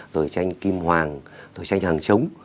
rồi tranh kim hoàng rồi tranh hàng chống